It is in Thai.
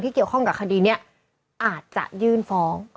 เกี่ยวข้องกับคดีนี้อาจจะยื่นฟ้อง